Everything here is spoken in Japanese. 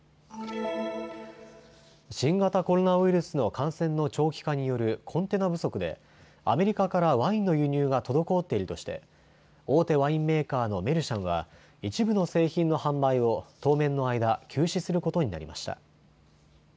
新型コロナウイルスの感染の長期化によるコンテナ不足でアメリカからワインの輸入が滞っているとして大手ワインメーカーのメルシャンは一部の製品の販売を当面の間、休止することになりました。